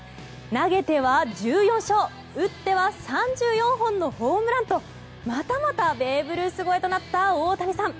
投げては１４勝打っては３４本のホームランとまたまたベーブ・ルース超えとなった大谷さん。